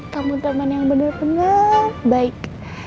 kamu teman yang bener bener baik